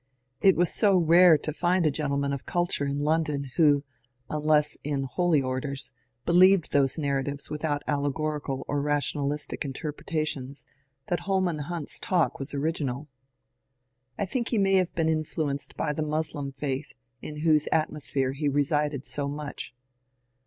It was so rare to find a gentleman of culture in London who, unless in holy orders, believed those narratives without allegorical or rationalistic interpretations that Holman Hunt's talk was original. I think he may have been influenced by the Moslem faith in whose atmosphere he resided so much.